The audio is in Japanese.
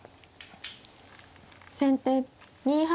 先手２八竜。